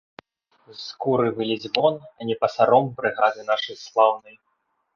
З скуры вылезь вон, а не пасаром брыгады нашай слаўнай.